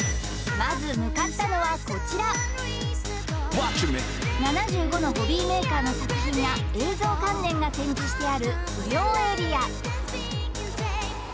まず向かったのはこちら７５のホビーメーカーの作品や映像関連が展示してある企業エリア